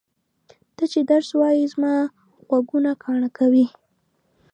ته چې درس وایې زما غوږونه کاڼه کوې!